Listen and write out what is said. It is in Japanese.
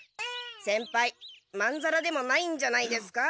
先輩まんざらでもないんじゃないですか？